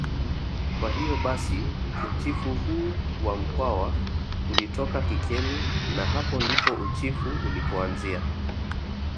Kwa hiyo basi uchifu huu wa mkwawa ulitoka kikeni na hapo ndipo uchifu ulipoanzia